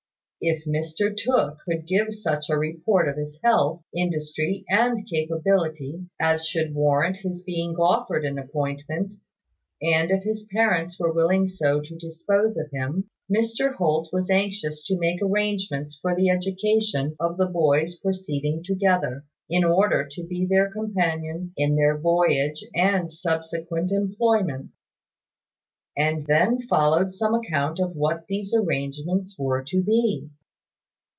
If Mr Tooke could give such a report of his health, industry, and capability as should warrant his being offered an appointment, and if his parents were willing so to dispose of him, Mr Holt was anxious to make arrangements for the education of the boys proceeding together, in order to their being companions in their voyage and subsequent employments. And then followed some account of what these arrangements were to be.